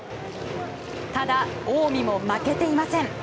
ただ、近江も負けていません。